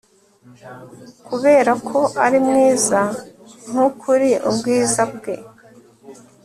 Kuberako ari mwiza nkukuri ubwiza bwe